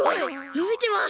のびてます！